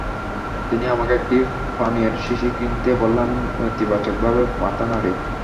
তিনি আমাকে একটি পানীয়ের শিশি কিনতে বললে আমি নেতিবাচকভাবে মাথা নাড়ি।